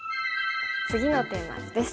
次のテーマ図です。